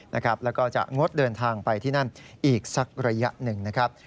แล้วก็จะงดเดินทางไปที่นั่นอีกสักระยะหนึ่งนะครับ